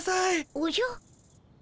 おじゃっ。